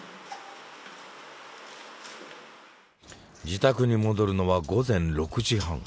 自宅に戻るのは午前６時半。